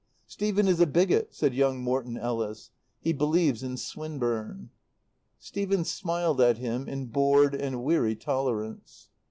"Stephen is a bigot," said young Morton Ellis; "he believes in Swinburne." Stephen smiled at him in bored and weary tolerance.